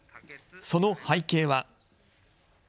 その背景は。